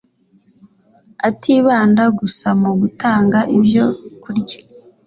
atibanda gusa mu gutanga ibyo kurya